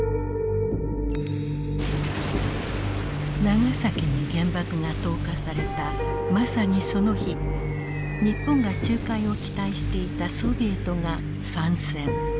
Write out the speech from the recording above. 長崎に原爆が投下されたまさにその日日本が仲介を期待していたソビエトが参戦。